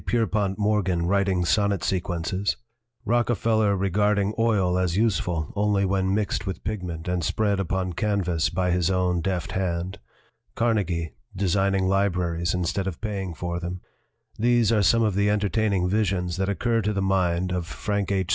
Pierpont Morgan writing sonnet 1 sequences, Rockefeller regarding oil as useful only when mixed with pigment and spread upon canvas by his own deft hand, Carnegie designing libraries instead of paying for them these are some of the entertaining visions that occur to the mind of Frank H.